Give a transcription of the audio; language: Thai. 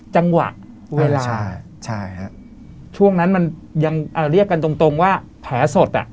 จังหวะเวลาใช่ฮะช่วงนั้นมันยังเรียกกันตรงตรงว่าแผลสดอ่ะ